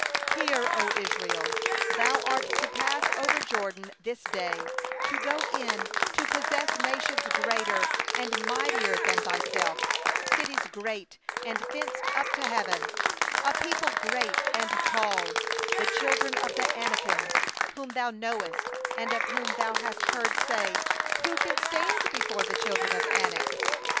Hear, O Israel: thou art to pass over the Jordan this day, to go in to dispossess nations greater and mightier than thyself, cities great and fortified up to heaven, 2a people great and tall, the sons of the Anakim, whom thou knowest, and of whom thou hast heard say: 'Who can stand before the sons of Anak?